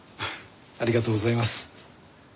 ありがとうございます。